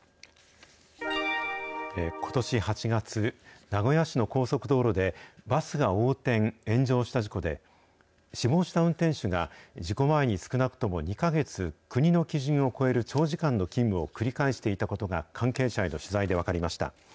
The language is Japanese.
ことし８月、名古屋市の高速道路で、バスが横転・炎上した事故で、死亡した運転手が、事故前に少なくとも２か月、国の基準を超える長時間の勤務を繰り返していたことが関係者への取材で分かりました。